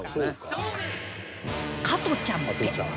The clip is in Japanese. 「加トちゃんペッ！」